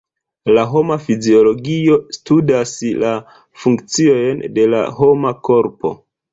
La homa fiziologio studas la funkciojn de la homa korpo.